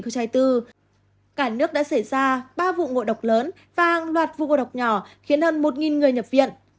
cả nước đã xảy ra ba vụ ngộ độc lớn và hàng loạt vụ ngộ độc nhỏ khiến hơn một người nhập viện